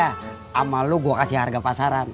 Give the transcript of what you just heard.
sama lu gue kasih harga pasaran